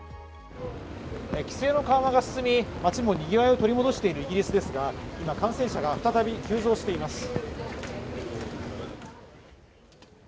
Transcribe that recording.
規制の緩和が進み、街もにぎわいを取り戻しているイギリスですが、今感染者が再び急増しています。